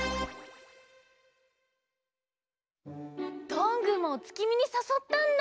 どんぐーもおつきみにさそったんだ。